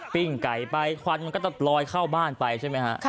ไก่ไปควันมันก็จะลอยเข้าบ้านไปใช่ไหมฮะ